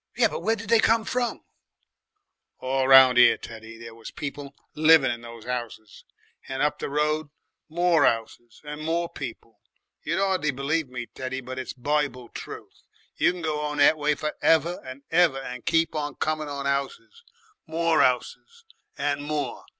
"Yes, but where did they come from?" "All round 'ere, Teddy, there was people living in those 'ouses, and up the road more 'ouses and more people. You'd 'ardly believe me, Teddy, but it's Bible truth. You can go on that way for ever and ever, and keep on coming on 'ouses, more 'ouses, and more.